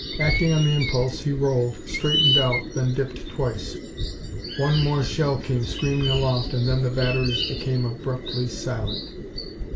Acting on the impulse he rolled, straightened out, then dipped twice. One more shell came screaming aloft and then the batteries became abruptly silent.